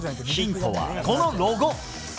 ヒントは、このロゴ。